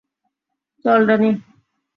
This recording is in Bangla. চল, ড্যানি।